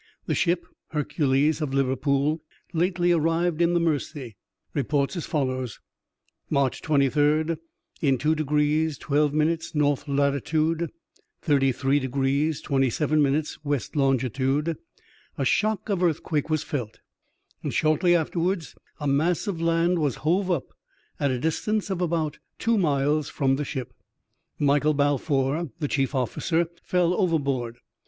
— The ship Hercules of Liverpool, lately arrived in the Mersey, reports as follows : March 23, in two degrees, twelve minutes, north latitude, thirty three degrees, twenty seven minutes, west longitude, a shock of earthquake was felt, and shortly afterwards, a mass of land was hove up at a distance of about two miles from the ship. Michael Balfour, the chief oflBcer, fell overboard.